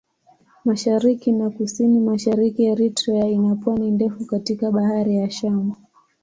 Mashariki na Kusini-Mashariki Eritrea ina pwani ndefu katika Bahari ya Shamu.